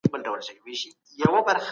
په كـوټه كـي راتـه وژړل